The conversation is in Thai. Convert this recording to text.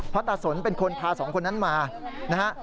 เพราะตาสนเป็นคนพาสองคนนั้นมานะฮะ